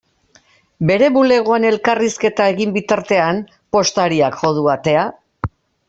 Bere bulegoan elkarrizketa egin bitartean, postariak jo du atea.